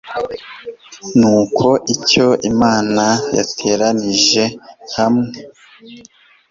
nuko icyo imana yateranije hamwe